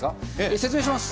説明します。